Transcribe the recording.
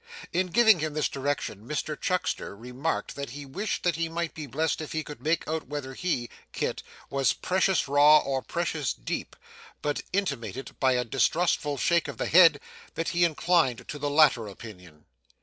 In giving him this direction Mr Chuckster remarked that he wished that he might be blessed if he could make out whether he (Kit) was 'precious raw' or 'precious deep,' but intimated by a distrustful shake of the head, that he inclined to the latter opinion.